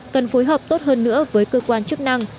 cần phối hợp tốt hơn nữa với cơ quan chức năng